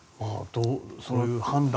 そういう判断。